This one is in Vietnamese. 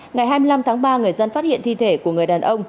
ngày hai mươi năm tháng ba người dân phát hiện thi thể của người đàn ông